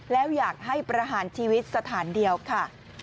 แล้วอยากให้ประหารชีวิตสถานเดียวค่ะ